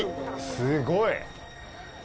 すごい！